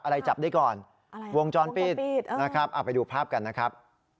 อะไรจับได้ก่อนอะไรวงจรปิดนะครับเอาไปดูภาพกันนะครับ